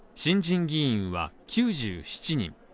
新人議員は９７人。